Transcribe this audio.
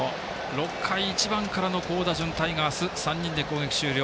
６回、１番からの好打順タイガース３人で攻撃終了。